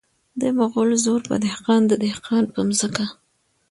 د مغل زور په دهقان د دهقان په ځمکه .